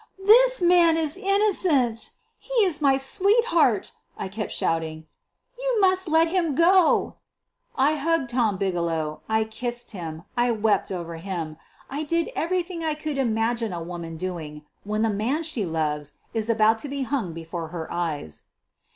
"This man is innocent — he is my sweetheart," I kept shouting. "You must let him go." I hugged Tom Bigelow, I kissed him, I wept over him — I did everything I could imagine a woman doing when the man she loves is about to be hung before her eyes.